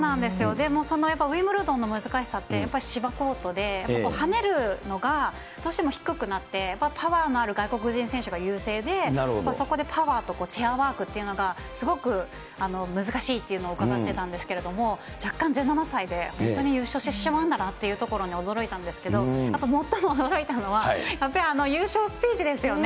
で、ウィンブルドンの難しさって、芝コートで、跳ねるのがどうしても低くなって、パワーのある外国人選手が優勢で、そこでパワーとチェアワークっていうのがすごく難しいというのを伺ってたんですけれども、弱冠１７歳で本当に優勝してしまうんだなというところに驚いたんですけれども、やっぱ最も驚いたのは、優勝スピーチですよね。